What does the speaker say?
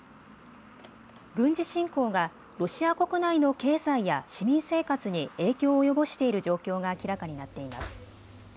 軍事侵攻がロシア国内の経済や市民生活に影響を及ぼしている状況が明らかになっています。